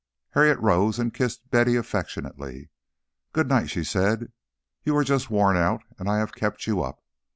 Harriet rose and kissed Betty affectionately. "Good night," she said. "You are just worn out, and I have kept you up.